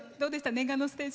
念願のステージ。